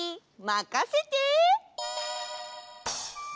まかせて！